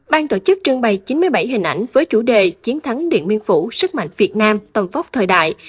ban tổ chức trưng bày chín mươi bảy hình ảnh với chủ đề chiến thắng điện biên phủ sức mạnh việt nam tầm vóc thời đại